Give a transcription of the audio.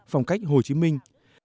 phong cách hồ chí minh